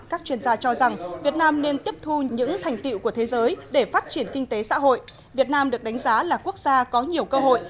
các chuyên gia cho rằng việt nam nên tiếp thu những thành tiệu của thế giới để phát triển kinh tế xã hội việt nam được đánh giá là quốc gia có nhiều cơ hội